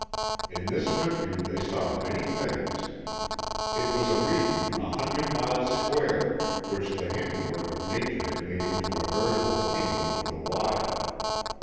In this country they saw many things. It was a region a hundred miles square which the handiwork of Nature had made into a veritable kingdom of the wild.